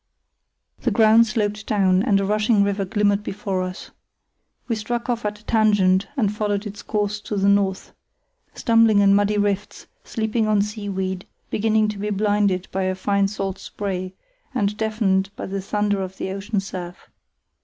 The ground sloped down, and a rushing river glimmered before us. We struck off at a tangent and followed its course to the north, stumbling in muddy rifts, slipping on seaweed, beginning to be blinded by a fine salt spray, and deafened by the thunder of the ocean surf.